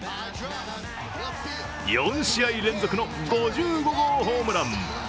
４試合連続の５５号ホームラン。